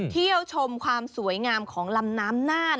เที่ยวชมความสวยงามของลำน้ำนาน